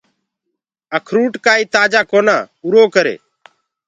اکروُٽ ڪآئي تآجآ ڪونآ اُرو ڪري۔